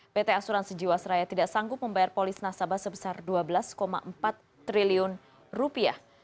pt asuransi jiwasraya tidak sanggup membayar polis nasabah sebesar dua belas empat triliun rupiah